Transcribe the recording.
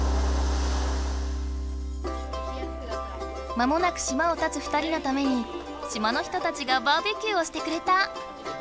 間もなく島をたつ２人のために島の人たちがバーベキューをしてくれた。